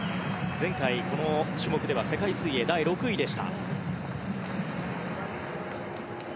前回、この種目では世界水泳第６位でした。